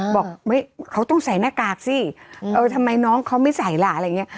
บอกเขาต้องใส่หน้ากากสิเออทำไมน้องเขาไม่ใส่ล่ะอะไรอย่างนี้